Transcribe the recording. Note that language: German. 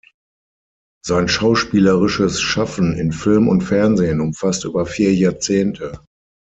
Sein schauspielerisches Schaffen in Film und Fernsehen umfasst über vier Jahrzehnte.